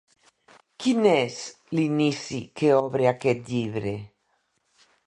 Quin és l'inici que obre aquest llibre?